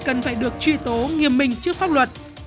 cần phải được truy tố nghiêm minh trước pháp luật